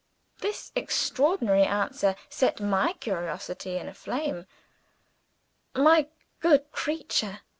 This extraordinary answer set my curiosity in a flame. "My good creature!"